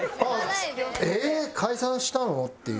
ええー解散したの？っていう。